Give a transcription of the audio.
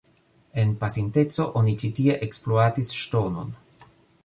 En pasinteco oni ĉi tie ekspluatis ŝtonon.